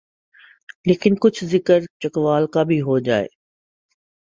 لیکن کچھ ذکر چکوال کا بھی ہو جائے۔